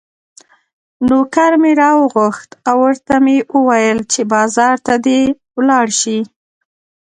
نوکر مې راوغوښت او ورته مې وویل چې بازار ته دې ولاړ شي.